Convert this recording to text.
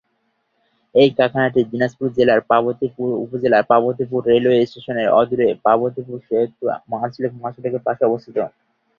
এই কারখানাটি দিনাজপুর জেলার পার্বতীপুর উপজেলার পার্বতীপুর রেলওয়ে স্টেশনের অদূরে পার্বতীপুর-সৈয়দপুর আঞ্চলিক মহাসড়কের পাশে অবস্থিত।